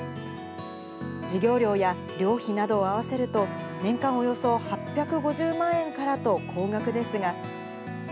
授業料や寮費などを合わせると、年間およそ８５０万円からと高額ですが。